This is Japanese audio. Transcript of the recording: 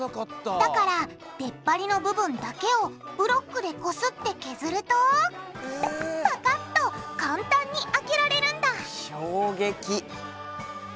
だから出っ張りの部分だけをブロックでこすって削るとパカッと簡単に開けられるんだ衝撃。